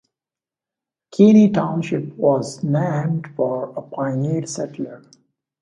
Keene Township was named for a pioneer settler.